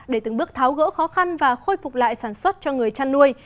để từng bước tháo gỡ khó khăn và khôi phục lại sản xuất cho người chăn nuôi